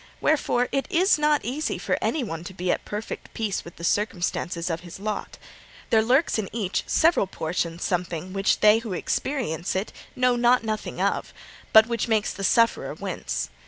Wherefore, it is not easy for anyone to be at perfect peace with the circumstances of his lot. There lurks in each several portion something which they who experience it not know nothing of, but which makes the sufferer wince.